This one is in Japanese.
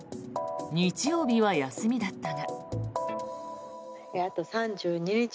日曜日は休みだったが。